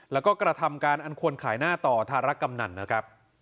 แล้วก็กระทำการอันควรขายหน้าต่อธารกำนันนะครับ